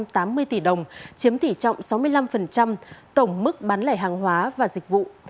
ba trăm hai mươi tám năm trăm tám mươi tỷ đồng chiếm tỷ trọng sáu mươi năm tổng mức bán lẻ hàng hóa và dịch vụ